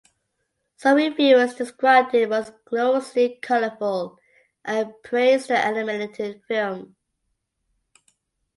Some reviewers described it as "gloriously colorful" and praised the animated film.